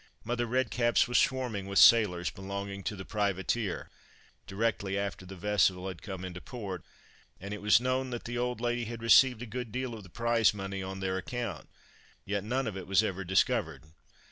Mother Redcap's was swarming with sailors belonging to the privateer, directly after the vessel had come into port, and it was known that the old lady had received a good deal of the prize money on their account, yet none of it was ever discovered.